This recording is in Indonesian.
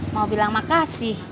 mau bilang makasih